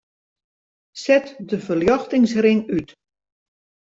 Set de ferljochtingsring út.